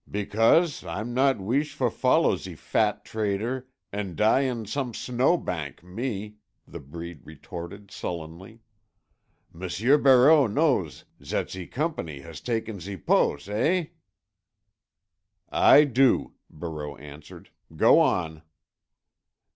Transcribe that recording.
"Because Ah'm not weesh for follow ze fat trader an' die een som' snowbank, me," the breed retorted sullenly. "M'sieu Barreau knows zat ze Companie has taken ze pos', eh?" "I do," Barreau answered. "Go on."